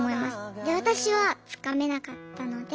で私はつかめなかったので。